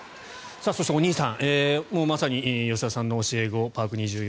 そしてお兄さんまさに吉田さんの教え子パーク２４